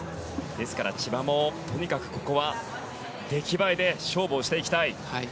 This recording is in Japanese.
ですから千葉もとにかく出来栄えで勝負をしていきたい。